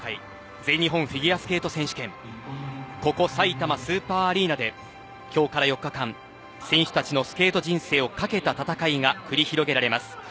全日本フィギュアスケート選手権ここさいたまスーパーアリーナで今日から４日間選手たちのスケート人生を懸けた戦いが繰り広げられます。